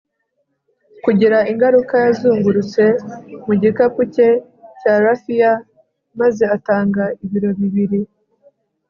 kugira ingaruka, yazungurutse mu gikapu cye cya raffia maze atanga ibiro bibiri